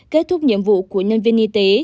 kết thúc nhiệm vụ của nhân viên y tế